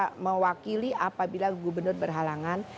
kita mewakili apabila gubernur berhalangan